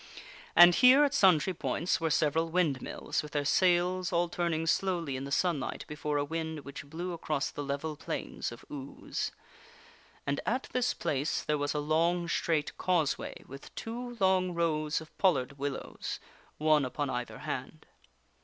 And here, at sundry points, were several windmills, with their sails all turning slowly in the sunlight before a wind which blew across the level plains of ooze. And at this place there was a long, straight causeway, with two long rows of pollard willows, one upon either hand.